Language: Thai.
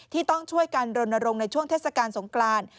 ต้องช่วยกันรณรงค์ในช่วงเทศกาลสงกราน